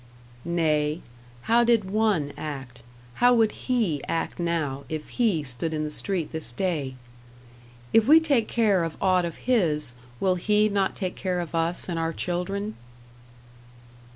"Nay; how did One act how would He act now, if He stood in the street this day? If we take care of aught of His, will He not take care of us and of our children?"